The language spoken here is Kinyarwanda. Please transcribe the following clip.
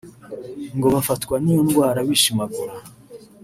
ngo bafatwa n’iyo ndwara bishimagura